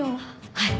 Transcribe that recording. はい。